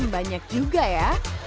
banyak juga ya